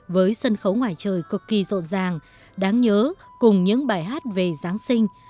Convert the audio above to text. với sân khấu ngoài trời cực kỳ rộn ràng đáng nhớ cùng những bài hát về giáng sinh